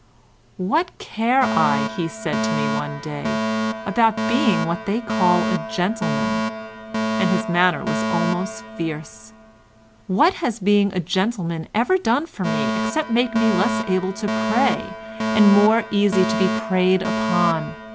"What care I," said he to me one day, "about being what they call a gentleman?" And his manner was almost fierce. "What has being a gentleman ever done for me except make me less able to prey and more easy to be preyed upon?